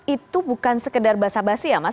itu bukan sekedar basa basi ya mas